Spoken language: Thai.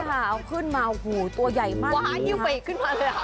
เอาขึ้นมานะตัวใหญ่มากเลยค่ะว้านอยู่ไปขึ้นมาเลยค่ะ